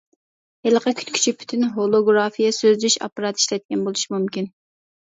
ھېلىقى كۈتكۈچى پۈتۈن ھولوگرافىيە سۆزلىشىش ئاپپاراتى ئىشلەتكەن بولۇشى مۇمكىن.